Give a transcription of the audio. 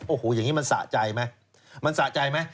โอ้โหอย่างนี้มันสะใจไหม